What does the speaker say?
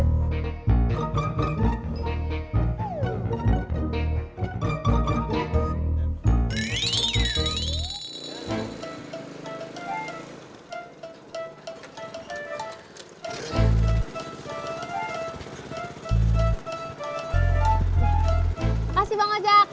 terima kasih bang ojak